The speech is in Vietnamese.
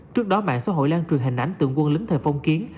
trước đó mạng xã hội lan truyền hình ảnh tượng quân lính thời phong kiến